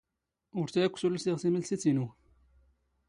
ⵓⵔ ⵜⴰ ⴰⴽⴽⵯ ⵙⵓⵍ ⵍⵙⵉⵖ ⵜⵉⵎⵍⵙⵉⵜ ⵉⵏⵓ.